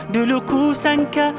dulu ku sangka